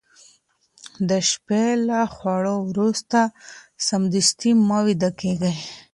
د شپې له خوړو وروسته سمدستي مه ويده کېږه